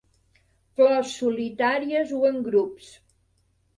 Flors solitàries o en grups.